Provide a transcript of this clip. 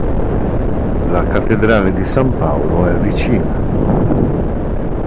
La Cattedrale di San Paolo è vicina.